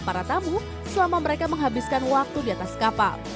para tamu selama mereka menghabiskan waktu di atas kapal